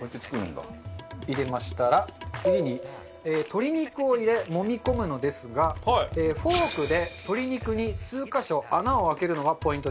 入れましたら次に鶏肉を入れもみ込むのですがフォークで鶏肉に数カ所穴を開けるのがポイントです。